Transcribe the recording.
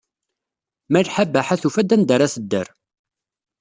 Malḥa Baḥa tufa-d anda ara tedder.